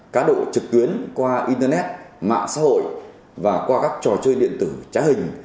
cá độ trực tuyến qua internet mạng xã hội và qua các trò chơi điện tử trá hình